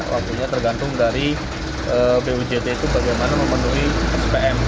waktunya tergantung dari bujt itu bagaimana memenuhi spm